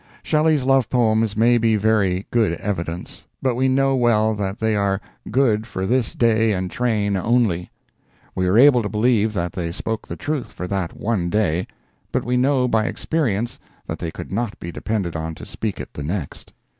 Shelley's love poems may be very good evidence, but we know well that they are "good for this day and train only." We are able to believe that they spoke the truth for that one day, but we know by experience that they could not be depended on to speak it the next.